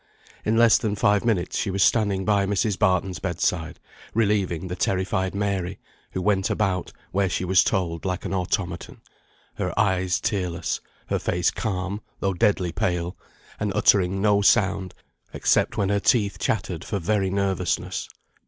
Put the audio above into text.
In less than five minutes she was standing by Mrs. Barton's bed side, relieving the terrified Mary, who went about, where she was told, like an automaton; her eyes tearless, her face calm, though deadly pale, and uttering no sound, except when her teeth chattered for very nervousness.